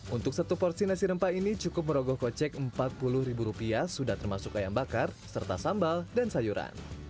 untuk satu porsi nasi rempah ini cukup merogoh kocek rp empat puluh sudah termasuk ayam bakar serta sambal dan sayuran